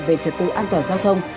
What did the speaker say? về trật tự an toàn giao thông